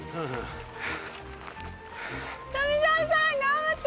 谷：富澤さん、頑張って！